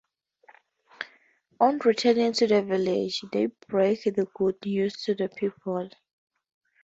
On returning to the village, they break the good news to the people.